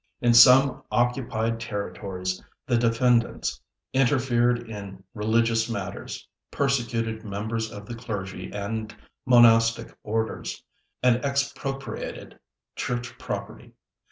In some occupied territories the defendants interfered in religious matters, persecuted members of the clergy and monastic orders, and expropriated church property.